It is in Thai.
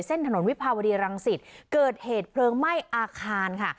ถนนวิภาวดีรังสิตเกิดเหตุเพลิงไหม้อาคารค่ะ